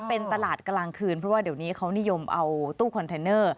เป็นตลาดกลางคืนเพราะว่าเดี๋ยวนี้เขานิยมเอาตู้คอนเทนเนอร์